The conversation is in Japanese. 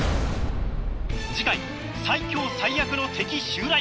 次回最強最悪の敵襲来！